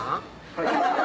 はい。